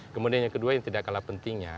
kemudian yang kedua yang tidak kalah pentingnya